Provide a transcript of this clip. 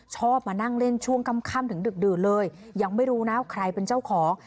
ชอบมานั่งเล่นช่วงค่ำถึงดึกดื่นเลยยังไม่รู้นะว่าใครเป็นเจ้าของ